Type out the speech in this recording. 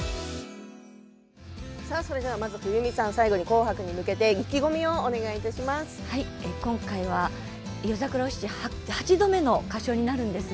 それでは冬美さん最後に「紅白」に向けて今回は「夜桜お七」８度目の歌唱になります。